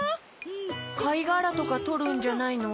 かいがらとかとるんじゃないの？